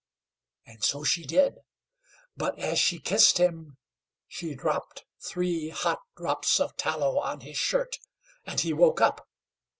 And so she did; but as she kissed him, she dropped three hot drops of tallow on his shirt, and he woke up.